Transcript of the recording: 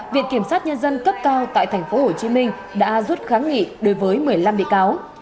viện kiểm sát nhân dân cấp cao tại tp hcm đã rút kháng nghị đối với một mươi năm bị cáo